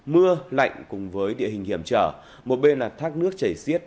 mưa lạnh cùng với địa hình hiểm trở một bên là thác nước chảy xiết